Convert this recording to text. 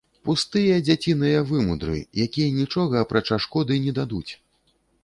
Пустыя дзяціныя вымудры, якія нічога, апрача шкоды, не дадуць.